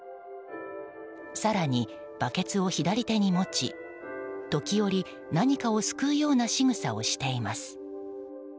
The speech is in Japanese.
更に、バケツを左手に持ち時折、何かをすくうようなしぐさをしています。